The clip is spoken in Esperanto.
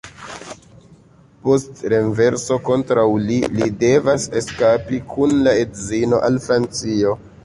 Post renverso kontraŭ li, li devas eskapi kun la edzino al Francio.